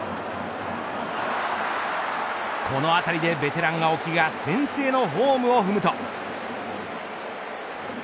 この当たりでベテラン青木が先制のホームを踏むと。